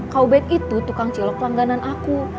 kak ubed itu tukang cilok pelangganan aku